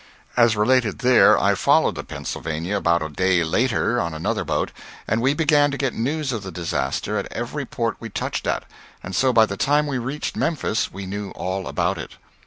As related there, I followed the "Pennsylvania" about a day later, on another boat, and we began to get news of the disaster at every port we touched at, and so by the time we reached Memphis we knew all about it.